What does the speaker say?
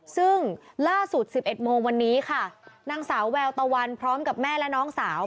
ซึ่งล่าสุด๑๑โมงวันนี้ค่ะนางสาวแววตะวันพร้อมกับแม่และน้องสาว